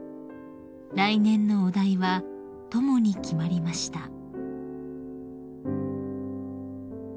［来年のお題は「友」に決まりました］